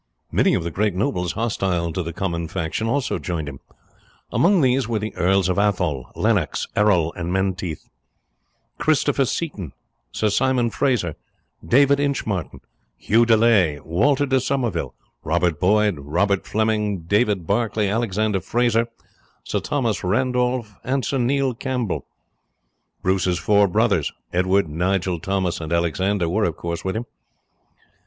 Many of the great nobles hostile to the Comyn faction also joined him; among these were the Earls of Athole, Lennox, Errol, and Menteith; Christopher Seaton, Sir Simon Fraser, David Inchmartin, Hugh de la Haye, Walter de Somerville, Robert Boyd, Robert Fleming, David Barclay, Alexander Fraser, Sir Thomas Randolph, and Sir Neil Campbell. Bruce's four brothers, Edward, Nigel, Thomas, and Alexander, were, of course, with him.